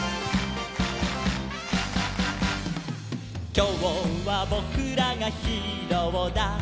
「きょうはぼくらがヒーローだ！」